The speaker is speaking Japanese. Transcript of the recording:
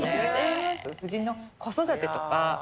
夫人の子育てとか。